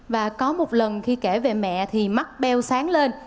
và có một lần khi kể về mẹ thì mắc beo sáng lên